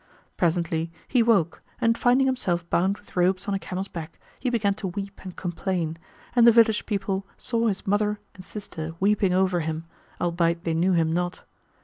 Presently, he woke and finding himself bound with ropes on a camel's back, he began to weep and complain,[FN#130] and the village people saw his mother and sister weeping over him, albeit they knew him not.